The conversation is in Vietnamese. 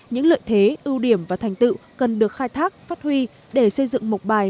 những lợi thế ưu điểm và thành tựu cần được khai thác phát huy để xây dựng một bài